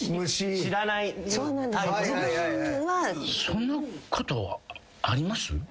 そんなことあります？